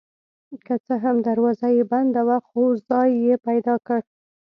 که څه هم دروازه یې بنده وه خو ځای مې پیدا کړ.